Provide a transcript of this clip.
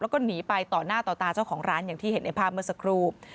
แล้วก็หนีไปต่อหน้าต่อตาเจ้าของร้านอย่างที่เห็นในภาพเมื่อสักครู่